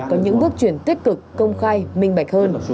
có những bước chuyển tích cực công khai minh bạch hơn